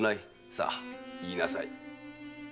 さあ言いなさい。